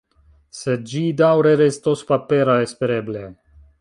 Sed ĝi daŭre restos papera, espereble.